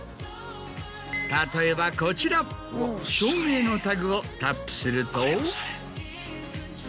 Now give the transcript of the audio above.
例えばこちら照明のタグをタップすると。